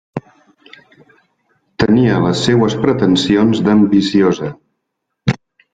Tenia les seues pretensions d'ambiciosa.